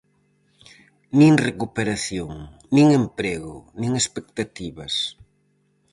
Nin recuperación, nin emprego, nin expectativas.